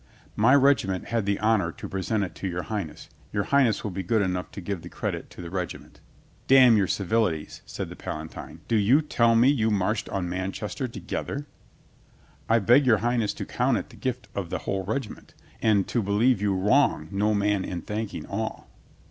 "My regiment had the honor to present it to Your Highness. Your Highness will be good enough to give the credit to the regiment." "Damn your civilities," said the Palatine. "Do you tell me you marched on Manchester together?" "I beg Your Highness to count it the gift of the whole regiment. And to believe you wrong no man in thanking all."